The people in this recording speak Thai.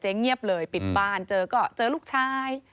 เงียบเลยปิดบ้านเจอก็เจอลูกชาย